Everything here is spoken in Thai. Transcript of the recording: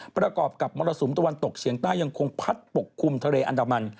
ประกอบกับมรสุมตะวันตกเฉียงใต้ยังคงพัดปกคลุมทะเลอันดามัน